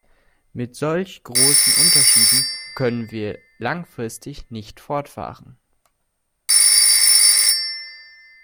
Mit solch großen Unterschieden können wir langfristig nicht fortfahren.